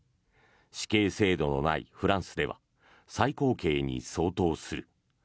死刑制度のないフランスでは最高刑に相当する。